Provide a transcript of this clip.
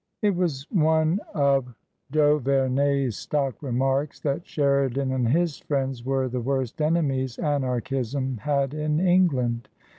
It was one of d'Auvemey's stock remarks that Sheri dan and his friends were the worst enemies Anarchism had in England.